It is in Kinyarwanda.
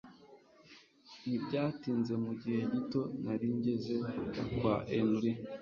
Ntibyatinze mu gihe gito nari ngeze kwa Henry